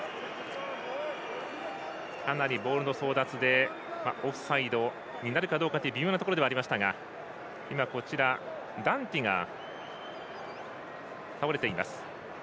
かなりボールの争奪でオフサイドになるかどうか微妙なところではありましたがダンティが倒れています。